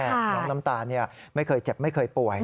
น้องน้ำตาลไม่เคยเจ็บไม่เคยป่วย